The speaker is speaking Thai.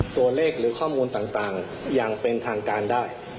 ตัวเลขหรือข้อมูลต่างอย่างเป็นทางการได้